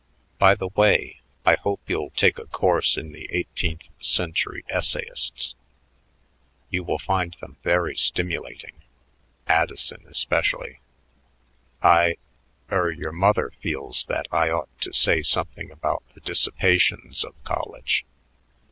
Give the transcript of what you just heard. By the way, I hope you take a course in the eighteenth century essayists; you will find them very stimulating Addison especially. "I er, your mother feels that I ought to say something about the dissipations of college.